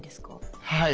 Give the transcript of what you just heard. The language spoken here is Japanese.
はい。